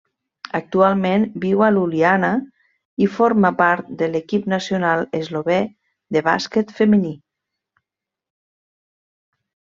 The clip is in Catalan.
Actualment viu a Ljubljana i forma part de l'equip nacional eslovè de bàsquet femení.